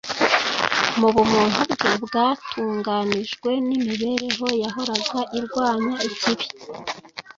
Mu bumuntu bwe bwatunganijwe n’imibereho yahoraga irwanya ikibi,